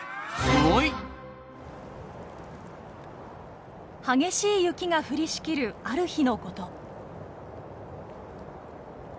すごい！激しい雪が降りしきるある日のこと。